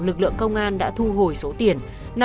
lực lượng công an đã thu hồi số tiền